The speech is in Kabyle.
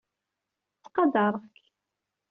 Ttqadareɣ-k.